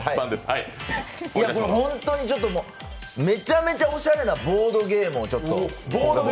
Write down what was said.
めちゃめちゃおしゃれなボードゲームをちょっと。